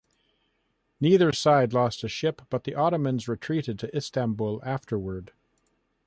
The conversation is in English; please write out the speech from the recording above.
Neither side lost a ship, but the Ottomans retreated to Istanbul afterward.